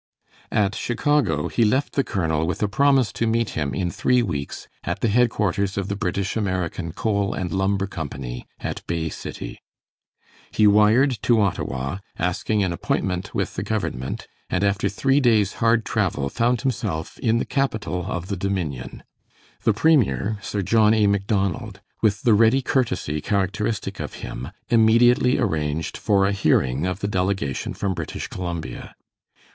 At Chicago he left the colonel with a promise to meet him in three weeks at the headquarters of the British American Coal and Lumber Company at Bay City. He wired to Ottawa, asking an appointment with the government, and after three days' hard travel found himself in the capital of the Dominion. The premier, Sir John A. Macdonald, with the ready courtesy characteristic of him, immediately arranged for a hearing of the delegation from British Columbia.